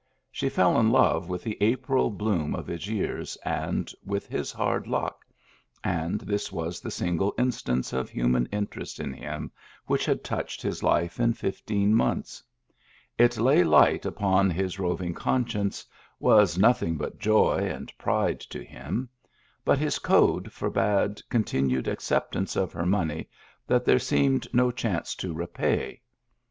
She fell in love with the April bloom of his years and with his hard luck — and this was the single instance of human interest in him which had touched his life in fifteen months. It lay light upon his rov Digitized by Google 2IO MEMBERS OF THE FAMILY ing conscience, was nothing but joy and pride to him ; but his code forbade continued acceptance of her money that there seemed no chance to repay.